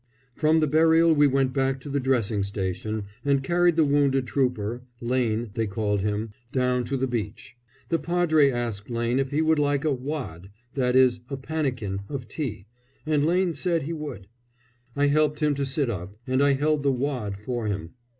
From the burial we went back to the dressing station and carried the wounded trooper Lane, they called him down to the beach. The padre asked Lane if he would like a "wad," that is a pannikin, of tea, and Lane said he would. I helped him to sit up, and I held the "wad" for him.